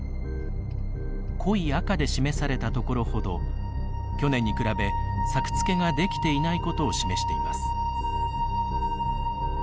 濃い赤で示されたところ程去年に比べ作付けができていないことを示しています。